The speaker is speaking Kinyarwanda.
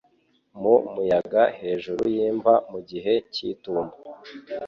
Mu muyaga hejuru y'imva mu gihe cy'itumba